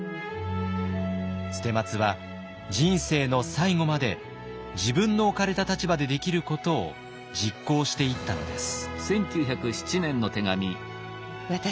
捨松は人生の最後まで自分の置かれた立場でできることを実行していったのです。